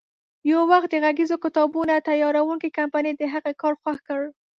یو وخت د غږیزو کتابونو تیاروونکې کمپنۍ د هغې کار خوښ کړ.